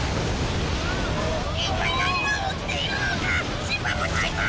一体何が起きているのか⁉審判も退散！